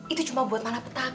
itu cuma buat malapetaka